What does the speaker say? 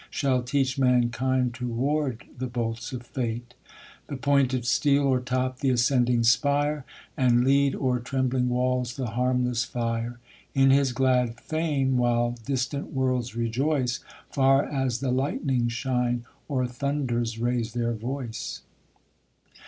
Shall teach mankind to ward the bolts of fate ; Tlie pointed steel o'ei'top th' ascending spire, And lead o'er trembling walls the harmless lire ; In his glad fame while distant worlds rejoice. Far as the lightnings shine, or thunders raise their voice.